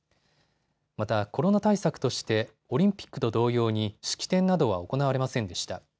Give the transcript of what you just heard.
またコロナ対策としてオリンピックと同様に式典などは行われませんでした。